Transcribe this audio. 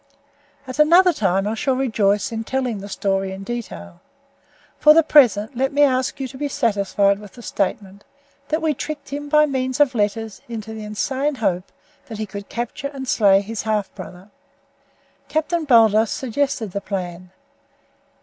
"At another time I shall rejoice in telling the story in detail. For the present let me ask you to be satisfied with the statement that we tricked him by means of letters into the insane hope that he could capture and slay his half brother. Captain Baldos suggested the plan.